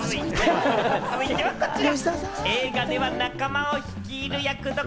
続いてはこちら。